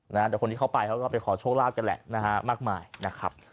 แต่คนที่เขาไปเขาก็ไปขอโชคลาภกันแหละนะฮะมากมายนะครับ